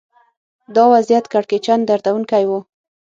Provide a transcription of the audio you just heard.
دا وضعیت کړکېچن دردونکی و